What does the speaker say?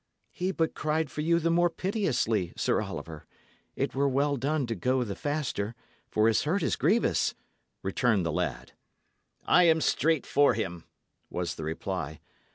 "He but cried for you the more piteously, Sir Oliver. It were well done to go the faster, for his hurt is grievous," returned the lad. "I am straight for him," was the reply.